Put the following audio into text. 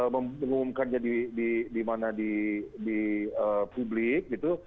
mengumumkannya di mana di publik gitu